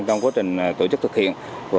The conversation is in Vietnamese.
trong quá trình tổ chức thực hiện